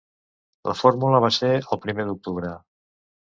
La fórmula va ser el primer d’octubre.